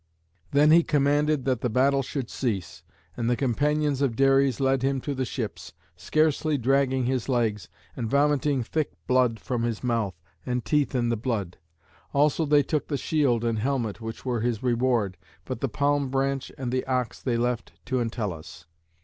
Then he commanded that the battle should cease. And the companions of Dares led him to the ships, scarcely dragging his legs, and vomiting thick blood from his mouth, and teeth in the blood. Also they took the shield and helmet which were his reward, but the palm branch and the ox they left to Entellus.